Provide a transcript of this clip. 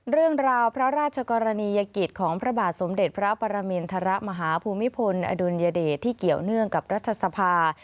เรื่องราวพระราชกรณียกิจของพระบาทสมเด็จพระปรมินทรมาฮภูมิพลอดุลยเดชที่เกี่ยวเนื่องกับรัฐสภา